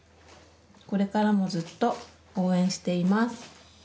これからもずっと応援しています。